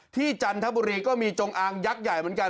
จันทบุรีก็มีจงอางยักษ์ใหญ่เหมือนกัน